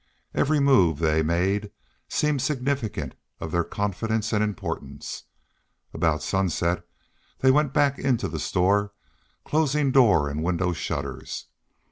Every move they, made seemed significant of their confidence and importance. About sunset they went back into the store, closing door and window shutters.